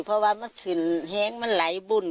เพราะว่ามันขึ้นแห้งมันไหลบุญ